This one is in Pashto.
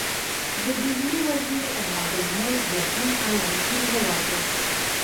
د ډهلي وزیر عمادالملک دوهم عالمګیر وواژه.